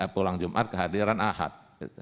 pulang jumat kehadiran ahad